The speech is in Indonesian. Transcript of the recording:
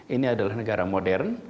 ini adalah negara modern